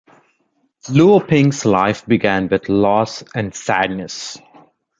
Luo Ping's life began with loss and sadness.